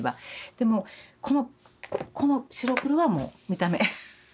でもこのこの白黒はもう見た目。